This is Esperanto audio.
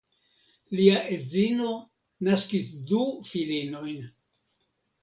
Lia edzino naskis du filinojn.